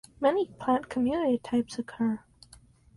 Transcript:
Many plant community types occur.